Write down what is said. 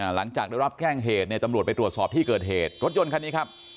หลังจากได้รับแจ้งเหตุเนี่ยตำรวจไปตรวจสอบที่เกิดเหตุรถยนต์คันนี้ครับ